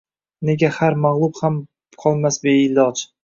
Nega har mag‘lub ham qolmas beiloj?!